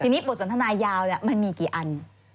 ทีนี้บทสนทนายาวมันมีกี่อัน